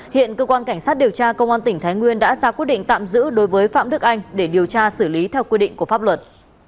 hiện công an tỉnh thái nguyên đã ra quyết định tạm giữ đối với phạm đức anh để điều tra xử lý theo quyết định của pháp luật